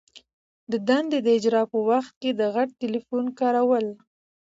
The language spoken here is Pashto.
د دندي د اجرا په وخت کي د غټ ټلیفون کارول.